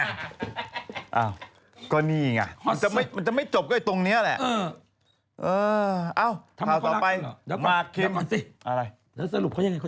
อ้าวก็นี่ไงมันจะตรงนี้แหละ